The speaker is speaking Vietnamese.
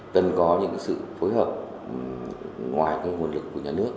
cần có những sự phối hợp ngoài các nguồn lực của nhà nước